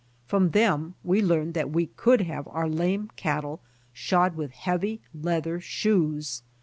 From them we learned that we could have our lame cattle shod with heavy leather shoes.